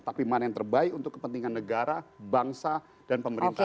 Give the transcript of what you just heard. tapi mana yang terbaik untuk kepentingan negara bangsa dan pemerintah